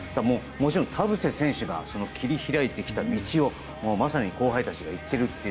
もちろん田臥選手が切り開いてきた道をまさに後輩たちがいっているという。